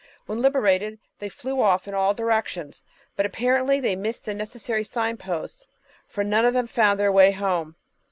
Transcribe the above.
When liberated they flew off in all directions, but apparently they missed the necessary signposts, for none of them found their way home.